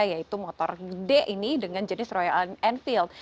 yaitu motor d ini dengan jenis royal enfield